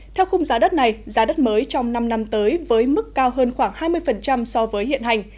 theo khung giá đất này giá đất mới trong năm năm tới với mức cao hơn khoảng hai mươi so với hiện hành